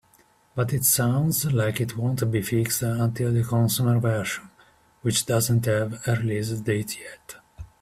But it sounds like it won't be fixed until the consumer version, which doesn't have a release date yet.